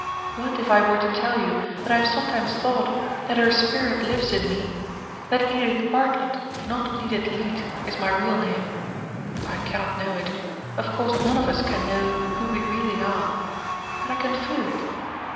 What if I were to tell you that I have sometimes thought that her spirit lives in me that Edith Bartlett, not Edith Leete, is my real name. I cannot know it; of course none of us can know who we really are; but I can feel it.